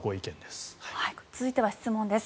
続いては質問です。